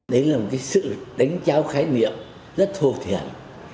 đấy là một sự đánh trao khái niệm rất thô thiện